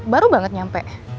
baru banget nyampe